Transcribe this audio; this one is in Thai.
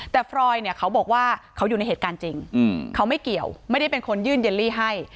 แต่ฟรอยเนี่ยเขาบอกว่าเขาอยู่ในเหตุการณ์จริงเขาไม่เกี่ยวไม่ได้เป็นคนยื่นเยลลี่ให้